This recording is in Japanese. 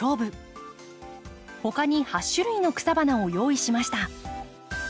他に８種類の草花を用意しました。